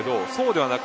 ではなく